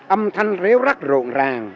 âm thanh rêu rắc rộn ràng